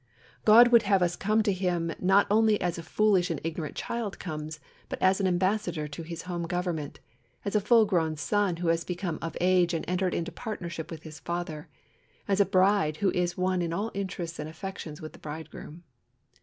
God would have us come to Him not only as a foolish and ignorant child comes, but as an ambassador to his home government; as a full grown son who has become of age and entered into partnership with his father; as a bride who is one in all interests and affections with the bridegroom.